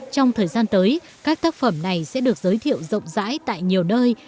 trong thời gian tới các tác phẩm này sẽ được giới thiệu rộng rãi tại nhiều nơi